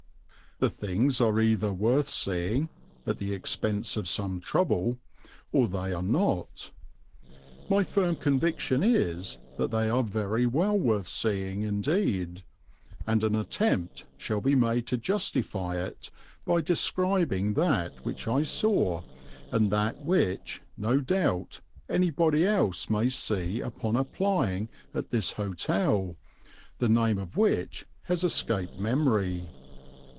The things are either worth seeing, at the expense of some trouble, or they are not. My firm conviction is that they are very well worth seeing indeed, and an attempt shall be made to justify it by describing that which I saw and that which, no doubt, anybody else may see upon applying at this hotel, the name of which has escaped memory.